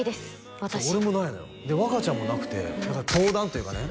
私そう俺もないのよで若ちゃんもなくてだから相談というかね